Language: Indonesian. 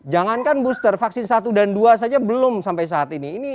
jangankan booster vaksin satu dan dua saja belum sampai saat ini